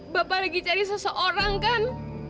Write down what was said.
bapak lagi cari seseorang kan